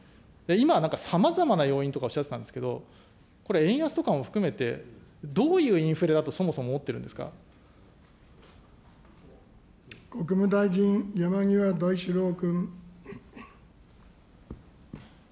今、さまざまな要因とかおっしゃってたんですけど、これ、円安とかも含めて、どういうインフレだ国務大臣、山際大志郎君。